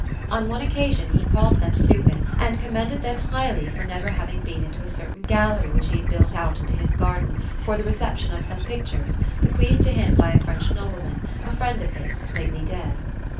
Oir one occasion, he called them to him and commended them high ly, for never haying been into a certain gallery which he had built out into his garden for the reception of some pictures, bequeathed to him by a French nobleman — a friend of his — ^lately dead.